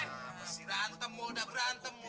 masih rantemmu udah berantemmu